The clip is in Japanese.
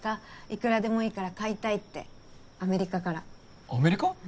いくらでもいいから買いたいってアメリカからアメリカ？